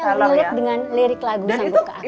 banyak orang yang lirik dengan lirik lagu sanggup kak aku